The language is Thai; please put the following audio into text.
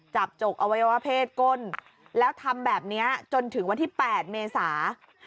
จกอวัยวะเพศก้นแล้วทำแบบนี้จนถึงวันที่๘เมษา